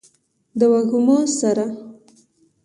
د وږمو سره